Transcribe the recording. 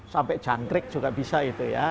sampai jangkrik juga bisa itu ya